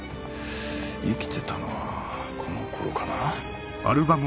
生きてたのはこの頃かな？